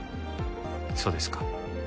そうですか。